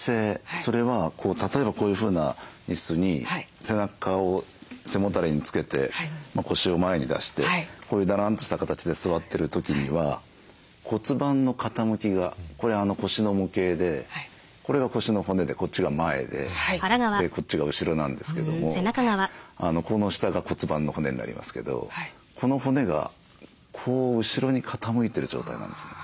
それは例えばこういうふうな椅子に背中を背もたれにつけて腰を前に出してこういうダランとした形で座ってる時には骨盤の傾きがこれ腰の模型でこれが腰の骨でこっちが前でこっちが後ろなんですけどもこの下が骨盤の骨になりますけどこの骨がこう後ろに傾いてる状態なんですね。